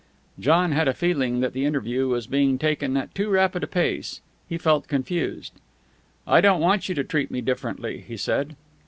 John had a feeling that the interview was being taken at too rapid a pace. He felt confused. "I don't want you to treat me differently," he said.